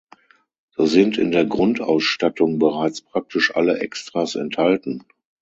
So sind in der Grundausstattung bereits praktisch alle Extras enthalten.